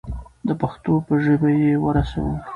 د پښتو په ژبه یې ورسوو.